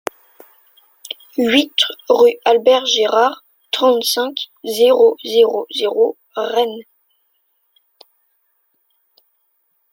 huit rue Albert Gérard, trente-cinq, zéro zéro zéro, Rennes